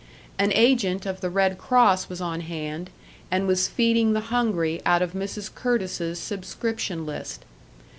An agent of the "Red Cross" was on hand, and was feeding the hungry out of Mrs. Curtis's subscription list.